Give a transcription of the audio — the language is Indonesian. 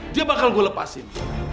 dia bakal gua lepasin